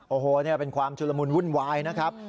โอ้โหนี่เป็นความชุลมุนวุ่นวายนะครับ